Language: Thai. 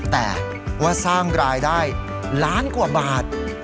แต่ว่าสร้างรายได้ล้านกว่าบาท